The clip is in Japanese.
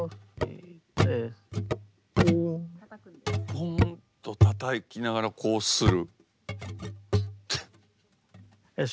ポンと叩きながらこうする？